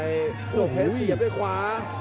ลูกเพชรเสียบด้วยขวา